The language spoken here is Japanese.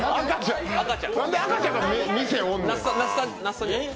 何で赤ちゃんが店おんねん。